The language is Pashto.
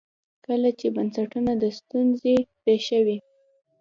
کله چې بنسټونه د ستونزې ریښه وي.